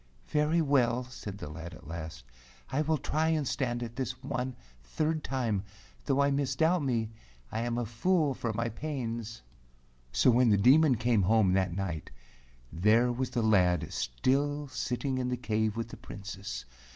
187 A DEMON OF THE MOUNTAIN "Very well," said the lad at last, "I will try to stand it still this third time, though I misdoubt me I am a fool for my pains." So when the Demon came home that night, there was the lad still sitting in the cave with the Princess.